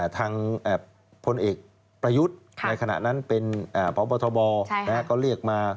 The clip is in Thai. พลเอกประยุทธ์ในขณะนั้นเป็นพบทบก็เรียกมา